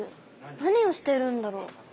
何をしているんだろう？